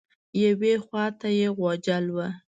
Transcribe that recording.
یوې خوا ته یې غوجل وه.